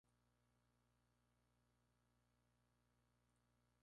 Las industrias principales son la agricultura, la pesca y el turismo.